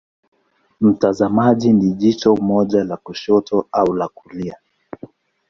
Mtazamaji ni jicho moja la kushoto au la kulia.